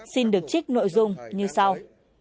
xin được trích nội dung như sau